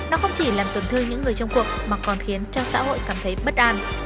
nó không chỉ làm tổn thương những người trong cuộc mà còn khiến cho xã hội cảm thấy bất an